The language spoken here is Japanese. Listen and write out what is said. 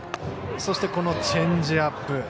そして、チェンジアップ。